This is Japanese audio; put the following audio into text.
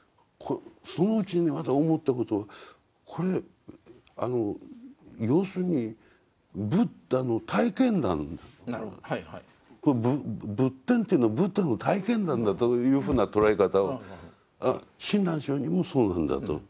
そのうちにねまた思ったことはこれ要するにブッダの体験談仏典というのはブッダの体験談だというふうな捉え方を親鸞聖人もそうなんだと。